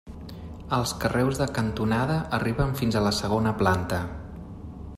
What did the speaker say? Els carreus de cantonada arriben fins a la segona planta.